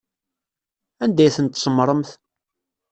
Anda ay tent-tsemmṛemt?